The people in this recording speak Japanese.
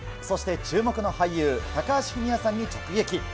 そして注目の俳優、高橋文哉さんに直撃。